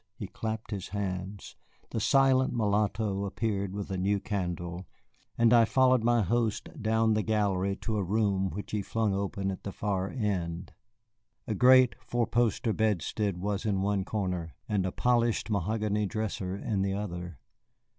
He clapped his hands, the silent mulatto appeared with a new candle, and I followed my host down the gallery to a room which he flung open at the far end. A great four poster bedstead was in one corner, and a polished mahogany dresser in the other.